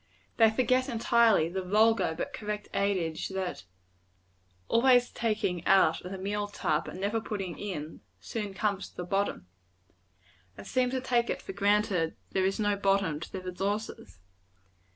They forget, entirely, the vulgar but correct adage, that "always taking out of the meal tub, and never putting in, soon comes to the bottom" and seem to take it for granted there is no bottom to their resources.